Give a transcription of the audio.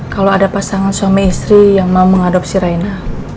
kalau ada pasangan suami istri yang mau mengadopsi raina